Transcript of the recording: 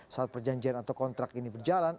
saat perjanjian atau kontrak ini berjalan